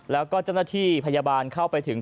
แล้วก็เจ้าหน้าที่พยาบาลเข้าไปถึง